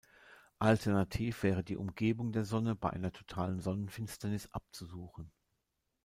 Alternativ wäre die Umgebung der Sonne bei einer totalen Sonnenfinsternis abzusuchen.